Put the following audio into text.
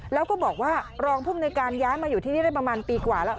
แล้วก็บอกว่ารองภูมิในการย้ายมาอยู่ที่นี่ได้ประมาณปีกว่าแล้ว